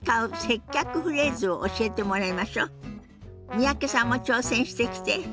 三宅さんも挑戦してきて。